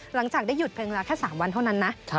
หลังจากได้หยุดเพียงเวลาแค่๓วันเท่านั้นนะ